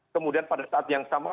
kemudian pada saat yang sama